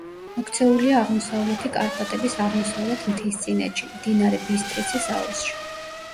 მოქცეულია აღმოსავლეთი კარპატების აღმოსავლეთ მთისწინეთში, მდინარე ბისტრიცის აუზში.